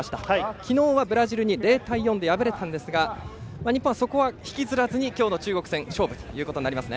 昨日はブラジルに０対４で敗れたんですが日本は、そこは引きずらずに今日の中国戦勝負となりますね。